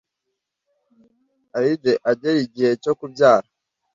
Alide agera igihe cyo kubyara